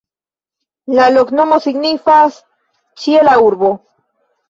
La loknomo signifas: "ĉiela urbo".